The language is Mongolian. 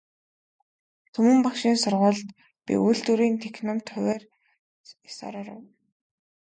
Түмэн багшийн сургуульд, би үйлдвэрийн техникумд хувиар ёсоор оров.